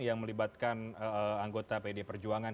yang melibatkan anggota pdi perjuangan